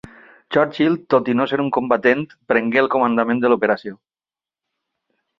Churchill, tot i no ser un combatent, prengué el comandament de l'operació.